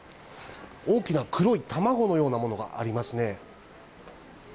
大きな黒い卵のようなものがありますね。